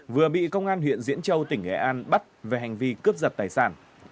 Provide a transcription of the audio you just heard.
vừa bị công an huyện diễn châu tỉnh nghệ an bắt về hành vi cướp giật tài sản